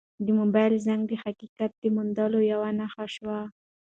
د موبایل زنګ د حقیقت د موندلو یوه نښه شوه.